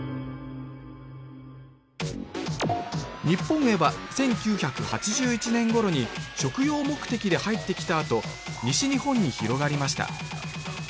日本へは１９８１年ごろに食用目的で入ってきたあと西日本に広がりました。